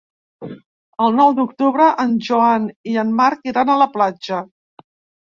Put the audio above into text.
El nou d'octubre en Joan i en Marc iran a la platja.